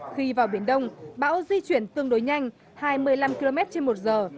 khi vào biển đông bão di chuyển tương đối nhanh hai mươi năm km trên một giờ